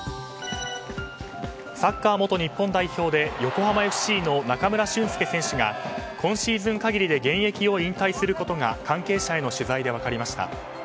サッカー元日本代表で横浜ＦＣの中村俊輔選手が今シーズン限りで現役を引退することが関係者への取材で分かりました。